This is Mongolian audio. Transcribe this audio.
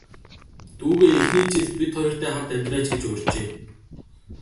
Дүүгээ эхний жил бид хоёртой хамт амьдраач гэж урьжээ.